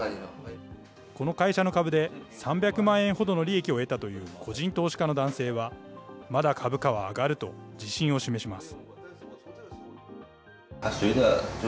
この会社の株で、３００万円ほどの利益を得たという個人投資家の男性は、まだ株価は上がると自信を示します。